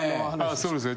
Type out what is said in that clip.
そうですね。